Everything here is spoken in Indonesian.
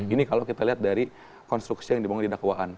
ini kalau kita lihat dari konstruksi yang dibangun di dakwaan